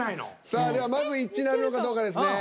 さあではまず一致なるのかどうかですね。